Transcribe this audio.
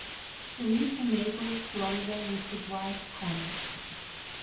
, he lives in Naples, Florida, with his wife, Connie.